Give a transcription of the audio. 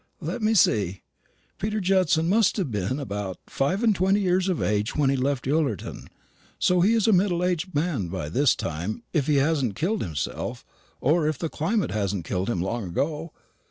Let me see: Peter Judson must have been about five and twenty years of age when he left Ullerton; so he is a middle aged man by this time if he hasn't killed himself, or if the climate hasn't killed him long ago.